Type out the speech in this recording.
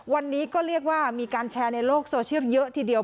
วันนี้ก็เรียกว่ามีการแชร์ในโลกโซเชียลเยอะทีเดียว